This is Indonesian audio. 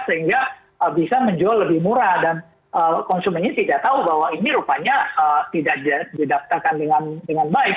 sehingga bisa menjual lebih murah dan konsumennya tidak tahu bahwa ini rupanya tidak didaftarkan dengan baik